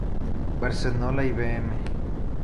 Barcelona y Bm.